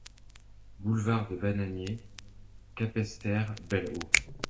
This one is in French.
Boulevard de Bananier, Capesterre-Belle-Eau